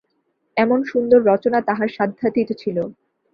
এমন সুন্দর রচনা তাহার সাধ্যাতীত ছিল।